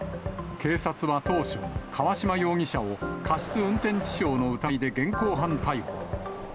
警察は当初、川島容疑者を過失運転致傷の疑いで現行犯逮捕。